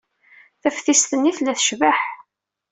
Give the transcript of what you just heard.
Taftist-nni tella tecbeḥ.